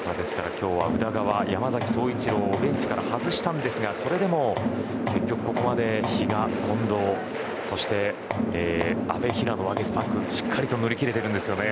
今日は宇田川、山崎颯一郎をベンチから外しましたがそれでも結局ここまで比嘉、近藤そして阿部、平野、ワゲスパックしっかりと乗り切れているんですよね。